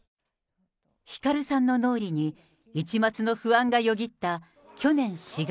ひかるさんの脳裏に、一抹の不安がよぎった去年４月。